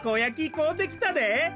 こうてきたで。